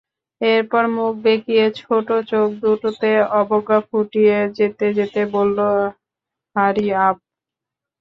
এরপর মুখ বেঁকিয়ে ছোট চোখ দুটোতে অবজ্ঞা ফুটিয়ে যেতে যেতে বলল, হারিআপ।